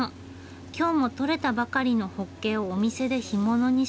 今日もとれたばかりのホッケをお店で干物にしたそうです。